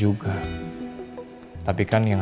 eh tapi lu gini